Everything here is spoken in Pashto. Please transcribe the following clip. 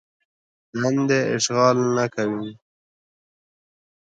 دندې اشغال نه کوي.